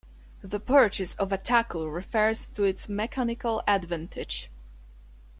The "purchase" of a tackle refers to its mechanical advantage.